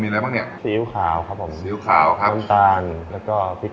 แล้วก็มีส่วนลอก